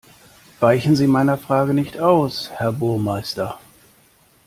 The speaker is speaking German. Weichen Sie meiner Frage nicht aus, Herr Burmeister!